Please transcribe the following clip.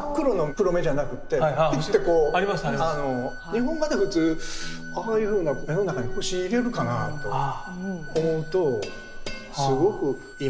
日本画で普通ああいうふうな目の中に星入れるかなと思うとすごく今な感じというのをね